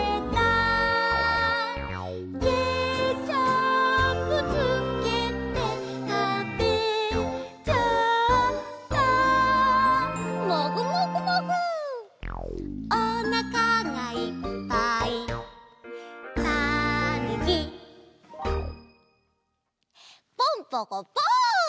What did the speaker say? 「ケチャップつけてたべちゃった」「」「おなかがいっぱいたぬき」ポンポコポン！